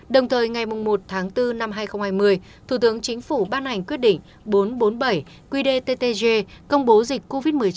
đồng thời ngày một tháng bốn năm hai nghìn hai mươi thủ tướng chính phủ ban hành quyết định bốn trăm bốn mươi bảy qdttg công bố dịch covid một mươi chín